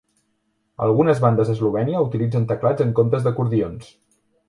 Algunes bandes a Eslovènia utilitzen teclats en comptes d'acordions.